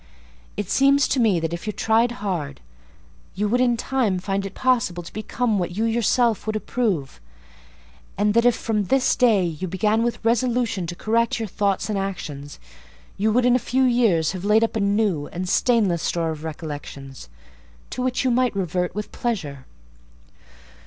It seems to me, that if you tried hard, you would in time find it possible to become what you yourself would approve; and that if from this day you began with resolution to correct your thoughts and actions, you would in a few years have laid up a new and stainless store of recollections, to which you might revert with pleasure."